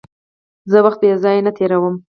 زه وخت بېځایه نه تېرووم.